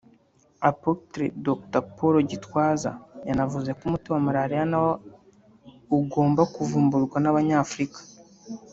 Apôtre Dr Paul Gitwaza yanavuze ko umuti wa Maraliya na wo ugomba kuvumburwa n’abanyafurika